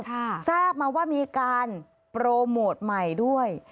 ทราบมาว่ามีการโปรโมทใหม่ด้วย